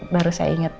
baru saya ingat